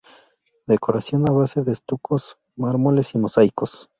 Decoración a base de estucos, mármoles y mosaicos.